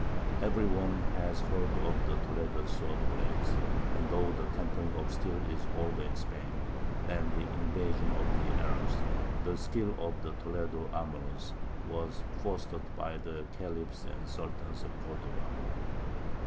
Every one has heard of the Toledo sword blades, and though the tempering of steel is older in Spain than the invasion of the Arabs, the skill of the Toledo armourers was fostered by the Khalifs and Sultans of Cordova.